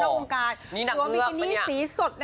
เลือกตัวนี้อ่ะว่ามีกรีนีสีสด